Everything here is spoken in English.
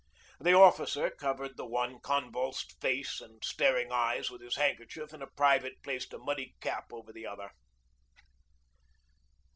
The officer covered the one convulsed face and starting eyes with his handkerchief, and a private placed a muddy cap over the other.